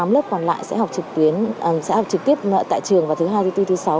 tám lớp còn lại sẽ học trực tuyến sẽ học trực tiếp tại trường vào thứ hai thứ bốn thứ sáu